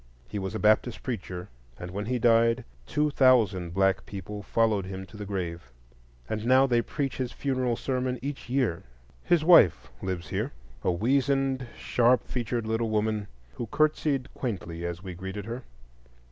He was a Baptist preacher, and when he died, two thousand black people followed him to the grave; and now they preach his funeral sermon each year. His widow lives here,—a weazened, sharp featured little woman, who curtsied quaintly as we greeted her.